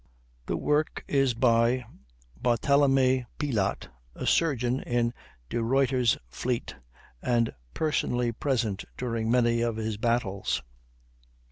The work is by Barthelemy Pielat, a surgeon in de Ruyter's fleet, and personally present during many of his battles.